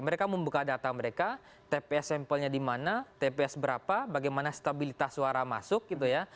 mereka membuka data mereka tps sampelnya di mana tps berapa bagaimana stabilitas suara masuk gitu ya